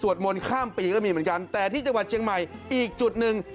มนต์ข้ามปีก็มีเหมือนกันแต่ที่จังหวัดเชียงใหม่อีกจุดหนึ่ง